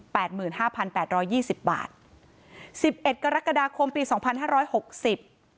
หมื่นห้าพันแปดร้อยยี่สิบบาทสิบเอ็ดกรกฎาคมปีสองพันห้าร้อยหกสิบ